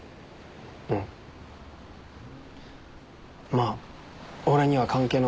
まあ俺には関係のない話だけど。